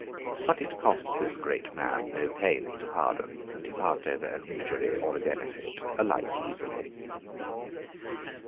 But it cost this great man no pains to pardon; and he passed over an injury or a benefit alike easily.